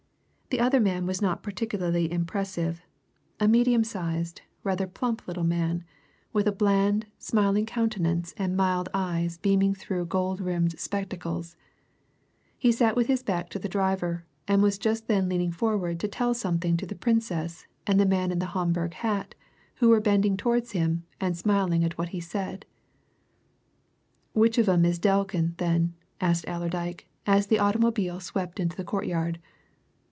The other man was not particularly impressive a medium sized, rather plump little man, with a bland, smiling countenance and mild eyes beaming through gold rimmed spectacles; he sat with his back to the driver, and was just then leaning forward to tell something to the Princess and the man in the Homburg hat who were bending towards him and, smiling at what he said. "Which of 'em is Delkin, then?" asked Allerdyke as the automobile swept into the courtyard.